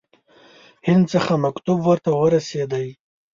هند څخه مکتوب ورته ورسېدی.